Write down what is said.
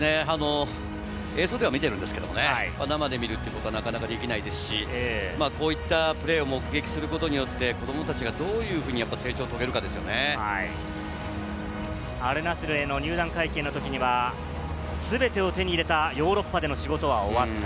映像では見てるんですけどね、生で見るっていうことはなかなかできないですし、こういったプレーを目撃することによって、子どもたちがどういうふうに成長アルナスルへの入団会見のときには全てを手に入れたヨーロッパでの仕事は終わった。